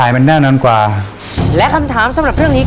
ยังเหลือเวลาทำไส้กรอกล่วงได้เยอะเลยลูก